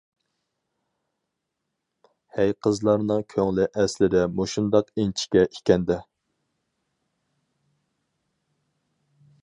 ھەي قىزلارنىڭ كۆڭلى ئەسلىدە مۇشۇنداق ئىنچىكە ئىكەندە.